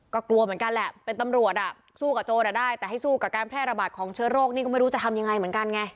ก็กลัวเหมือนกันแหละเป็นตำรวจอ่ะสู้กับโจรอะได้แต่ให้สู้กับการแพร่ระบาดของเชื้อโรคนี่ก็ไม่รู้จะทำยังไงเหมือนกันไง